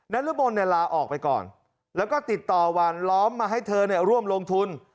น้าระมณ์ลาออกไปก่อนแล้วก็ติดต่อวันล้อมมาให้เธอเนี่ยร่วมลงทุน